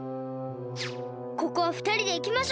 ここはふたりでいきましょう！